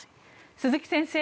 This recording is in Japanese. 鈴木先生